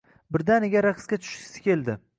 Birdaniga raqsga tushgisi keldi.